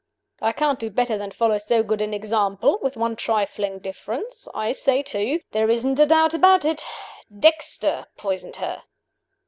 '" "I can't do better than follow so good an example with one trifling difference. I say too, There isn't a doubt about it. Dexter poisoned her.